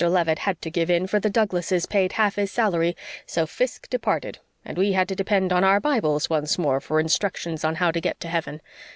Leavitt had to give in, for the Douglases paid half his salary, so Fiske departed, and we had to depend on our Bibles once more for instructions on how to get to heaven.